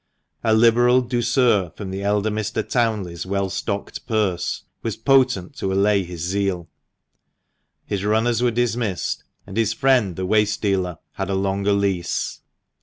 A liberal douceur from the elder Mr. Townley's well stocked purse was potent to allay his zeal. His runners were dismissed, and his friend the waste dealer had a longer lease.